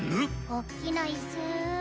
おっきなイス。